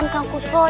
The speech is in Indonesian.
tidak ada masalah